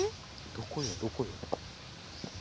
どこよどこよ。